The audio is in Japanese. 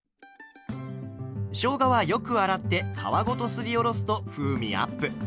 しょうがはよく洗って皮ごとすりおろすと風味アップ。